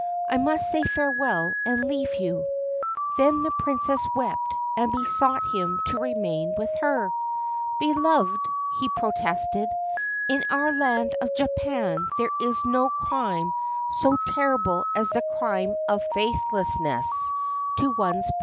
I must say farewell and leave you.' Then the Princess wept and besought him to remain with her. ' Beloved !' he protested, ' in our land of Japan there is no crime so terrible as the crime of faithlessness to one's parents.